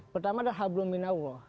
pertama adalah hablum minawah